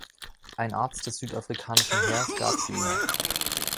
Ein Arzt des Südafrikanischen Heers gab sie ihm.